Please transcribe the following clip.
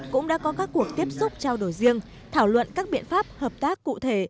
cũng đã có các cuộc tiếp xúc trao đổi riêng thảo luận các biện pháp hợp tác cụ thể